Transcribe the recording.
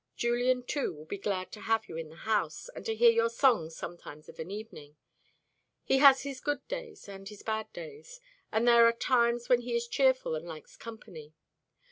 Julian, too, will be glad to have you in the house, and to hear your songs sometimes of an evening. He has his good days and his bad days; and there are times when he is cheerful and likes company.